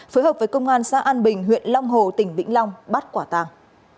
phối hợp với công an xã an bình huyện long hồ tỉnh vĩnh long bắt quả tàng